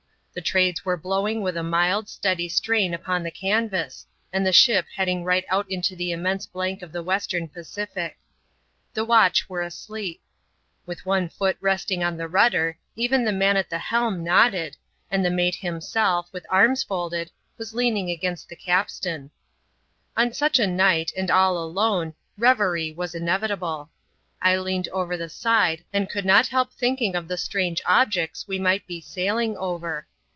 The Trades were blowing with a mild, steady strain upon the can* vas, and the ship heading right out into the immense blank of the Western Pacific. The watch were asleep. With one foot resting on the rudder, even the man at the helm nodded, and the mate himself, with arms folded, was leaning against the capstan. On such a night, and all alone, revery was inevitable. I leaned over the side, and could not help thinking of the strange objects we might be sailing over.